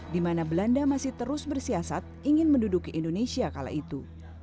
di mana belanda masih terus bersiasat ingin menduduki indonesia kala itu